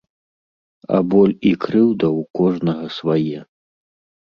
А боль і крыўда ў кожнага свае.